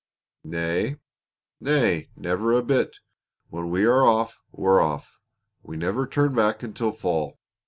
"Nay, nay! Never a bit! When we are off, we're off! We never turn back until fall.